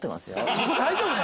そこ大丈夫ね？